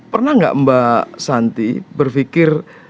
pernah nggak mbak santi berpikir